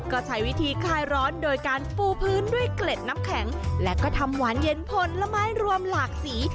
ก็ใช้วิธีคลายร้อนโดยการปูพื้นด้วยเกล็ดน้ำแข็งและก็ทำหวานเย็นผลไม้รวมหลากสี